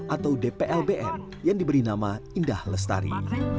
atau dplbn yang diberi nama indah lestari